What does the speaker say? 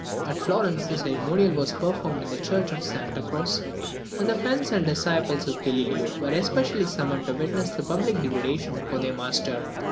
At Florence the ceremonial was performed in the church of Santa Croce, and the friends and disciples of Galileo were especially summoned to witness the public degradation of their master.